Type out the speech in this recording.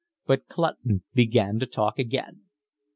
But Clutton began to talk again.